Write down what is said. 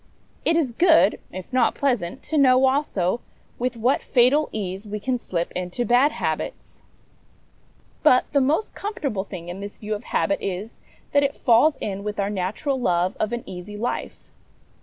It is good, if not pleasant, to know, also, with what fatal ease we can slip into bad habits. But the most comfortable 135 136 HOME EDUCATION thing in this view of habit is, that it falls in with our natural love of an easy life.